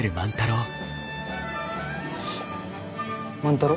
万太郎？